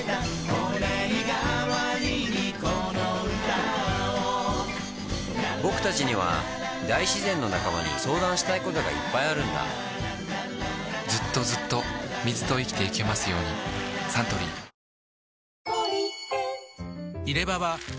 御礼がわりにこの歌をぼくたちには大自然の仲間に相談したいことがいっぱいあるんだずっとずっと水と生きてゆけますようにサントリー「ポリデント」